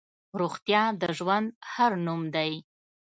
روغتیا د ژوند هر نوم دی.